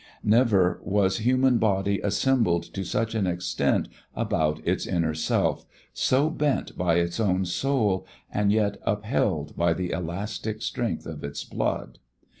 Never was human body assembled to such an extent about its inner self, so bent by its own soul and yet upheld by the elastic strength of its blood.